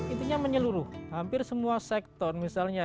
intinya menyeluruh hampir semua sektor misalnya